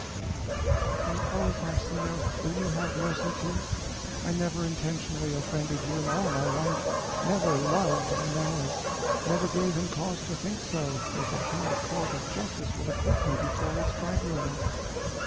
A. And, oh, Farcillo, will you have mercy, too? I never intentionally offended you in all my life, never _loved _Malos, never gave him cause to think so, as the high court of Justice will acquit me before its tribunal.